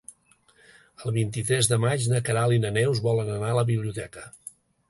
El vint-i-tres de maig na Queralt i na Neus volen anar a la biblioteca.